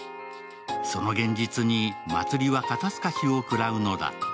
その現実に、茉莉は肩すかしを食らうのだった。